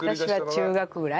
私は中学ぐらい。